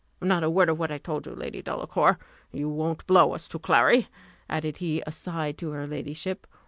Not a word of what I told you, Lady Delacour you won't blow us to Clary," added he aside to her ladyship.